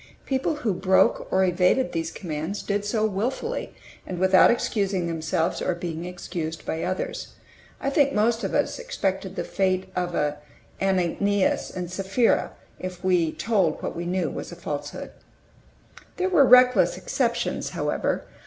People who broke or evaded these commands did so willfully, and without excusing themselves, or being excused by others. I think most of us expected the fate of Ananias and Sapphira, if we told what we knew was a falsehood. There were reckless exceptions, however.